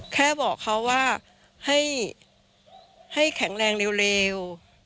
แค่บอกเขาว่าให้แข็งแรงเร็ว